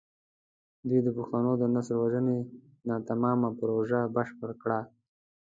دوی د پښتنو د نسل وژنې ناتمامه پروژه بشپړه کړه.